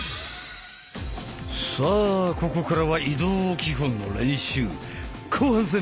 さあここからは移動基本の練習後半戦！